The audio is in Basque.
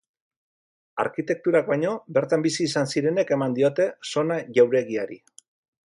Arkitekturak baino, bertan bizi izan zirenek eman diote sona jauregiari.